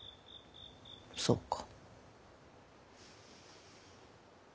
そうか。